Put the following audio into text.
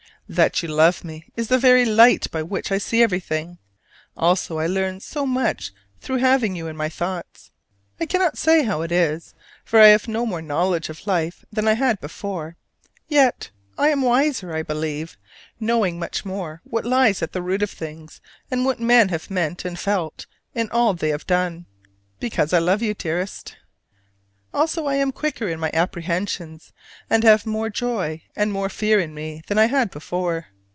That you love me is the very light by which I see everything. Also I learn so much through having you in my thoughts: I cannot say how it is, for I have no more knowledge of life than I had before: yet I am wiser, I believe, knowing much more what lives at the root of things and what men have meant and felt in all they have done: because I love you, dearest. Also I am quicker in my apprehensions, and have more joy and more fear in me than I had before.